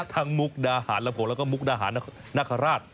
ทั้งมุกดาหารแล้วก็มุกดาหารนักฮราช